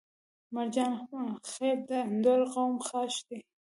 مرجان خيل د اندړ قوم خاښ دی